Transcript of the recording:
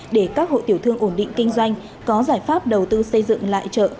để các hộ tiểu thương ổn định kinh doanh có giải pháp đầu tư xây dựng lại chợ